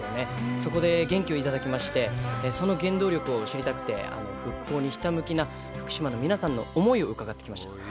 そこで元気を頂きまして、その原動力を知りたくて、復興にひたむきな福島の皆さんの想いを伺ってきました。